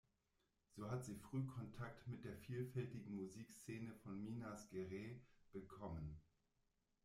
So hat sie früh Kontakt mit der vielfältigen Musikszene von Minas Gerais bekommen.